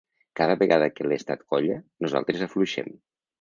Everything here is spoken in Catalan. Cada vegada que l’estat colla, nosaltres afluixem.